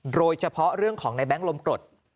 โดยเฉพาะเรื่องของในแง๊งลมกรด